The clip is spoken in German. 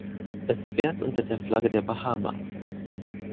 Es fährt unter der Flagge der Bahamas.